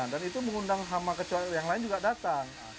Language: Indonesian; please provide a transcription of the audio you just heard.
dan itu mengundang hama kecoak yang lain juga datang